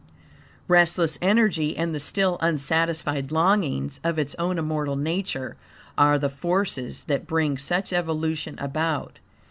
Restless energy and the still unsatisfied longings of its own immortal nature are the forces that bring such evolution about.